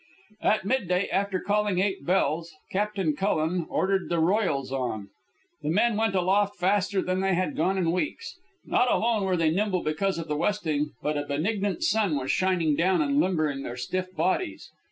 At midday, after calling eight bells, Captain Cullen ordered the royals on. The men went aloft faster than they had gone in weeks. Not alone were they nimble because of the westing, but a benignant sun was shining down and limbering their stiff bodies.